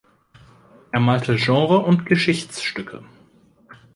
Er malte Genre- und Geschichtsstücke.